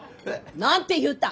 何て言うた？